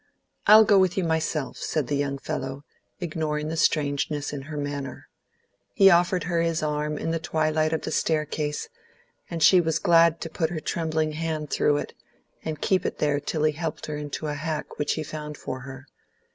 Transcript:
"I'll go with you myself," said the young fellow, ignoring the strangeness in her manner. He offered her his arm in the twilight of the staircase, and she was glad to put her trembling hand through it, and keep it there till he helped her into a hack which he found for her.